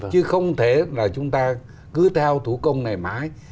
chứ không thể là chúng ta cứ theo thủ công ngày mãi